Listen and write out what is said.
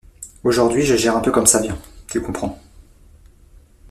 Aujourd’hui je gère un peu comme ça vient, tu comprends.